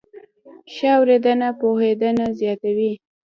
ښه اورېدنه پوهېدنه زیاتوي.